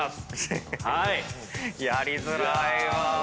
やりづらいわぁ。